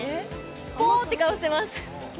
ポーッて顔してます。